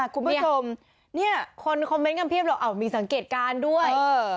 คุณผู้ชมเนี่ยคนคอมเมนต์กันเพียบหรอกมีสังเกตการณ์ด้วย